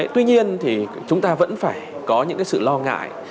tuy nhiên thì chúng ta vẫn phải có những sự lo ngại